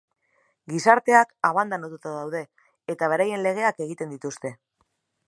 Gizarteak abandonatuta daude eta beraien legeak egiten dituzte.